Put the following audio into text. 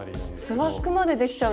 スワッグまでできちゃうんですね！